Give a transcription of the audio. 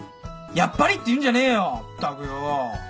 やっぱりって言うんじゃねえよったくよ。